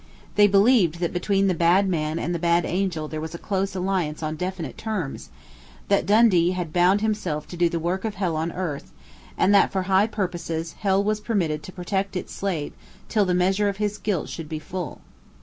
They believed that between the bad man and the bad angel there was a close alliance on definite terms; that Dundee had bound himself to do the work of hell on earth, and that, for high purposes, hell was permitted to protect its slave till the measure of his guilt should be full.